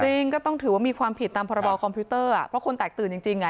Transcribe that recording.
จริงก็ต้องถือว่ามีความผิดตามพรบคอมพิวเตอร์อ่ะเพราะคนแตกตื่นจริงจริงอ่ะ